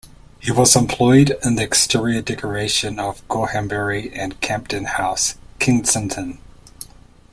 He was employed in the exterior decoration of Gorhambury and Campden House, Kensington.